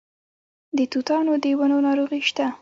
د توتانو د ونو ناروغي شته؟